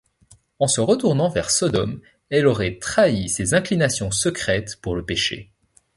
En se retournant vers Sodome elle aurait trahi ses inclinations secrètes pour le péché.